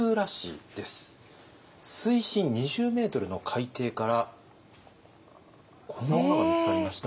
水深２０メートルの海底からこんなものが見つかりました。